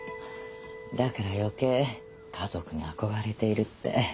だから余計家族に憧れているって。